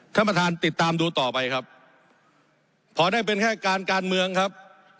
ท่านประธานติดตามดูต่อไปครับพอได้เป็นแค่การการเมืองครับ